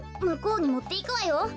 むこうにもっていくわよ。